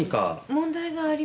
問題がありますか？